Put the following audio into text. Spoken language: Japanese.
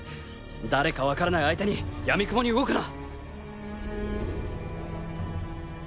誰かわからない相手にやみくもに動くな！